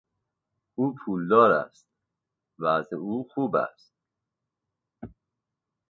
او پولدار است، وضع او خوب است.